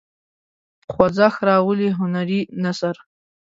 په خوځښت راولي هنري نثر.